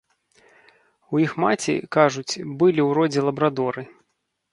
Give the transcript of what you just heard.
У іх маці, кажуць, былі ў родзе лабрадоры.